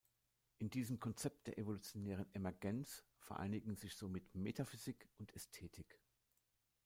In diesem Konzept der evolutionären Emergenz vereinigen sich somit Metaphysik und Ästhetik.